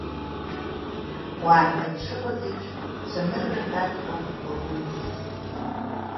Уаанӡа дшыҟаз еиԥш, цәаныррак аҵӷа лзымҵысит.